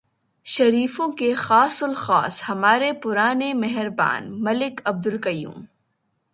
شریفوں کے خاص الخاص ہمارے پرانے مہربان ملک عبدالقیوم۔